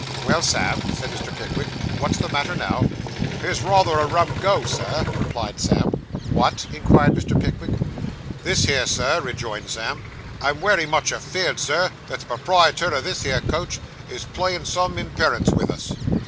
'Well, Sam,' said Mr. Pickwick, 'what's the matter now?' 'Here's rayther a rum go, sir,' replied Sam. 'What?' inquired Mr. Pickwick. 'This here, Sir,' rejoined Sam. 'I'm wery much afeerd, sir, that the properiator o' this here coach is a playin' some imperence vith us.